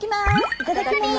いただきます。